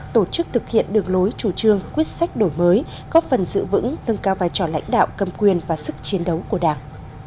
tổ chức thực hiện được lối chủ trương quyết sách đổi mới góp phần giữ vững nâng cao vai trò lãnh đạo cầm quyền và sức chiến đấu của đảng